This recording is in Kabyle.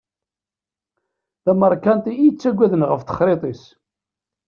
D ameṛkanti i yettagaden ɣef texṛiḍt-is.